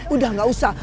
udah gak usah